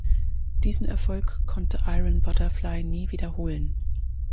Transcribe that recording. Diesen Erfolg konnte Iron Butterfly nie wiederholen.